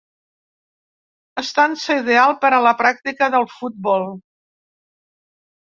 Estança ideal per a la pràctica del futbol.